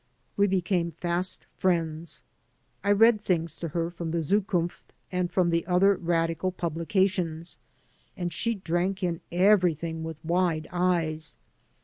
We became fast friends. I read things to her from the Zukunft and from the other radical publications, and she drank m everything with wide eyes.